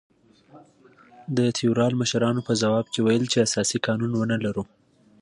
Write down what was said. د تیورال مشرانو په ځواب کې ویل چې اساسي قانون ونه لرو.